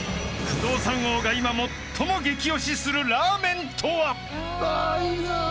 ［不動産王が今最もゲキオシするラーメンとは？］